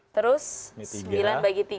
terus sembilan bagi tiga